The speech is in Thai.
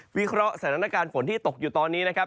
วิเคราะห์สถานการณ์ฝนที่ตกอยู่ตอนนี้นะครับ